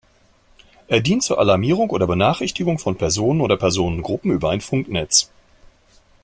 Er dient zur Alarmierung oder Benachrichtigung von Personen oder Personengruppen über ein Funknetz.